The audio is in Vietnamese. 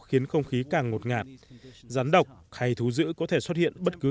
khiến không khí càng ngột ngạt